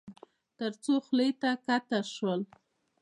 تر څو خولې ته کښته شول.